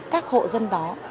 các hộ dân đó